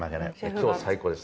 今日最高です。